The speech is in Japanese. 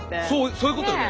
そういうことよね。